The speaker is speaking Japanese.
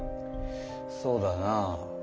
そうだなあ。